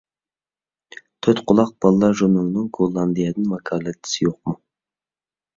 تۆتقۇلاق بالىلار ژۇرنىلىنىڭ گوللاندىيەدىن ۋاكالەتچىسى يوقمۇ؟